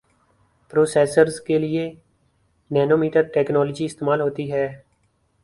processors کے لئے nanometer technology استعمال ہوتی ہے